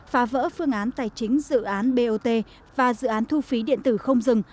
phá vỡ phương án tài chính dự án bot và dự án thu phí điện tử không dừng